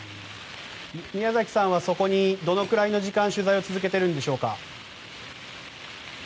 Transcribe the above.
宮崎さんはどのくらいの時間取材を続けているんでしょうか。